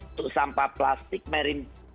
untuk sampah plastik marine